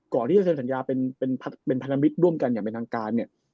ที่จะเซ็นสัญญาเป็นพันธมิตรร่วมกันอย่างเป็นทางการเนี่ย